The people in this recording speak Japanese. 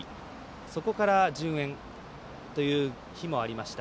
そこから、順延という日もありました。